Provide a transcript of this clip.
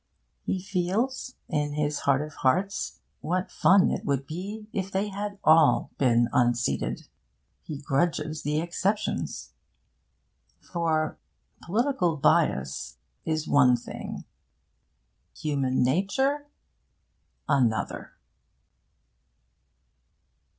He feels, in his heart of hearts, what fun it would be if they had all been unseated. He grudges the exceptions. For political bias is one thing; human nature another.